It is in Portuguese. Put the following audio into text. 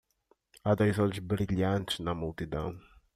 Há dois olhos brilhantes na multidão